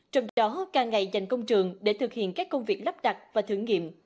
trong đó ca ngày dành công trường để thực hiện các công việc lắp đặt và thử nghiệm